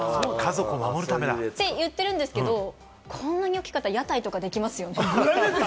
一応、災害時にて言ってるんですけれども、こんなに大きかったら屋台とかできますよね。